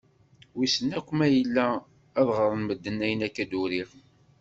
Wissen akk ma yella ad ɣren medden ayen akka d-uriɣ.